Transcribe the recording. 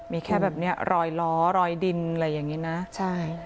มีแค่แบบเนี้ยรอยล้อรอยดินอะไรอย่างนี้นะใช่